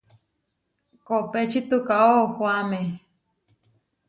Kopéči tukaó ohoáme.